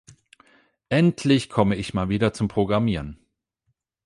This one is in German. Endlich komme ich mal wieder zum Programmieren!